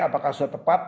apakah sudah tepat